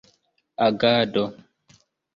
agado